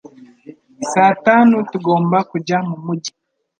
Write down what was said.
Saa tanu, tugomba kujya mu mujyi